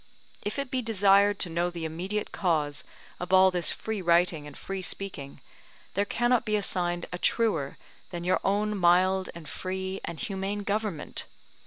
If it be desired to know the immediate cause of all this free writing and free speaking, there cannot be assigned a truer than your own mild and free and humane government.